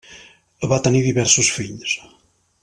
Va tenir diversos fills.